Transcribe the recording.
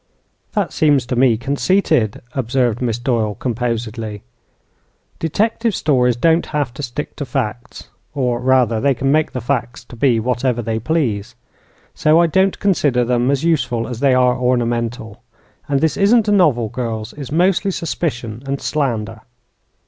"That seems to me conceited," observed Miss Doyle, composedly. "Detective stories don't have to stick to facts; or, rather, they can make the facts to be whatever they please. So I don't consider them as useful as they are ornamental. And this isn't a novel, girls; it's mostly suspicion and slander."